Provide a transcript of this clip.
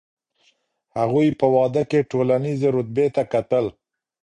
هغوی په واده کي ټولنیزې رتبې ته کتل.